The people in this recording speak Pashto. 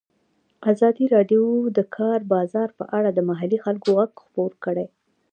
ازادي راډیو د د کار بازار په اړه د محلي خلکو غږ خپور کړی.